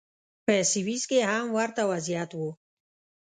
په سویس کې هم ورته وضعیت و.